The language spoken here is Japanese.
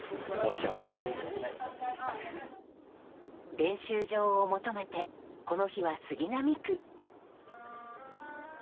練習場を求めてこの日は杉並区。